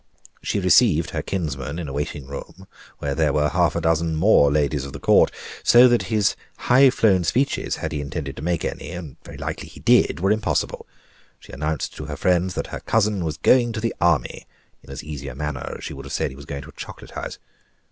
She received her kinsman in a waiting room, where there were half a dozen more ladies of the Court, so that his high flown speeches, had he intended to make any (and very likely he did), were impossible; and she announced to her friends that her cousin was going to the army, in as easy a manner as she would have said he was going to a chocolate house.